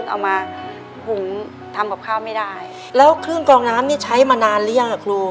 ในแคมเปญพิเศษเกมต่อชีวิตโรงเรียนของหนู